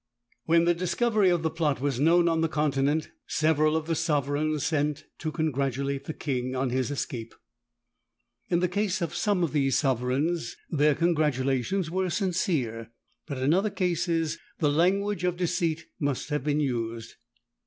When the discovery of the plot was known on the Continent, several of the sovereigns sent to congratulate the king on his escape. In the case of some of these sovereigns, their congratulations were sincere; but in other cases the language of deceit must have been used.